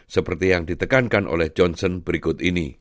seperti yang ditekankan oleh johnson berikut ini